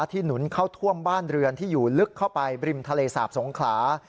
หนุนเข้าท่วมบ้านเรือนที่อยู่ลึกเข้าไปบริมทะเลสาบสงขลา